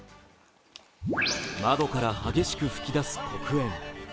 窓から激しく噴き出す黒煙。